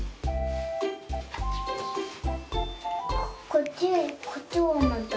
こっちこっちもまた。